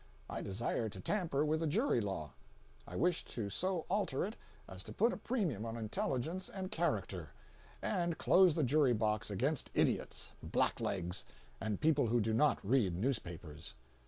I desire to tamper with the jury law. I wish to so alter it as to put a premium on intelligence and character, and close the jury box against idiots, blacklegs, and people who do not read newspapers.